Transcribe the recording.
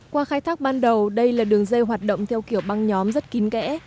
qua khai thác ban đầu đây là đường dây hoạt động theo kiểu băng nhóm rất kín kẽ